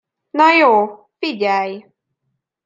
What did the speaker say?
Na jó, figyelj!